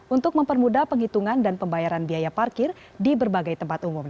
untuk mempermudah penghitungan dan pembayaran biaya parkir di berbagai tempat umum